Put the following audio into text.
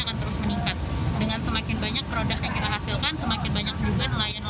akan terus meningkat dengan semakin banyak produk yang kita hasilkan semakin banyak juga nelayan